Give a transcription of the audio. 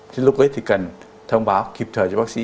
thế lúc ấy thì cần thông báo kịp thời cho bác sĩ